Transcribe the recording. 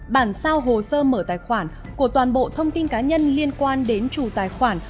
bản sao hồ sơ mở tài khoản của toàn bộ thông tin cá nhân liên quan đến chủ tài khoản